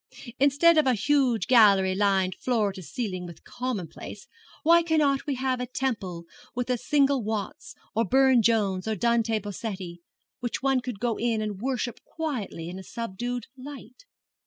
Instead of a huge gallery lined from floor to ceiling with commonplace, why cannot we have a Temple with a single Watts, or Burne Jones, or Dante Bossetti, which one could go in and worship quietly in a subdued light?'